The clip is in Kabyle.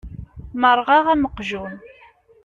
Merrɣeɣ am uqjun.